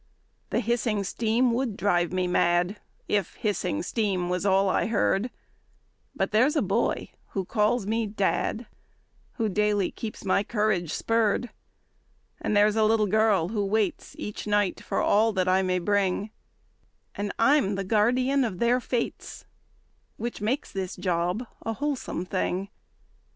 The hissing steam would drive me mad If hissing steam was all I heard; But there's a boy who calls me dad Who daily keeps my courage spurred; And there's a little girl who waits Each night for all that I may bring, And I'm the guardian of their fates, Which makes this job a wholesome thing.